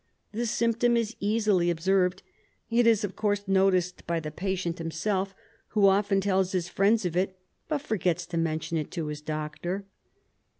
The symptom is easily observed. It is, of course, noticed by the patient himself, who often tells his friends of it, but forgets to mention it to his doctor."